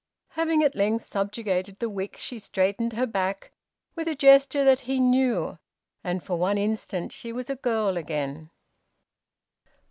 Having at length subjugated the wick, she straightened her back, with a gesture that he knew, and for one instant she was a girl again.